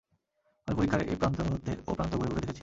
আমি পরিখার এ প্রান্ত হতে ও প্রান্ত ঘুরে ঘুরে দেখেছি।